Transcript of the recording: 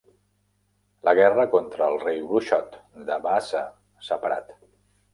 La guerra contra el Rei Bruixot de Vaasa s'ha parat.